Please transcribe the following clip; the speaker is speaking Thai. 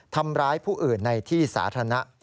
ทำร้ายผู้อื่นในที่สาธารณะ